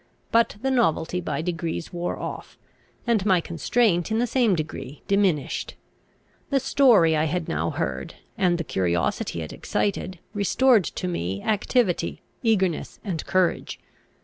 But the novelty by degrees wore off, and my constraint in the same degree diminished. The story I had now heard, and the curiosity it excited, restored to me activity, eagerness, and courage.